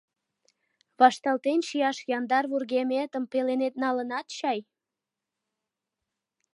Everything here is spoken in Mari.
Вашталтен чияш яндар вургеметым пеленет налынат чай?